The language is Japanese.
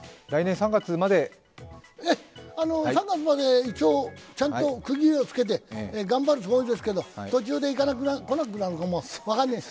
３月まで一応ちゃんと区切りをつけて頑張るつもりですけど、途中で来なくなるかも分からないです。